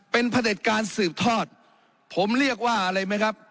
เป็นผลิตการสืบทอดผมเรียกว่าอะไรไหมครับ